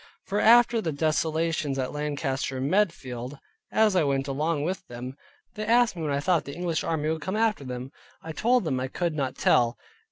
For after the desolations at Lancaster and Medfield, as I went along with them, they asked me when I thought the English army would come after them? I told them I could not tell.